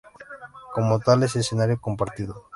Como tal, es necesario combatirlo.